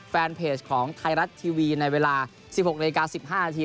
แฟนเพจของไทยรัฐทีวีในเวลา๑๖นาฬิกา๑๕นาที